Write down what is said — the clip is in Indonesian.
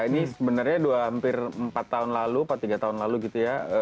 ini sebenarnya hampir empat tahun lalu empat tiga tahun lalu gitu ya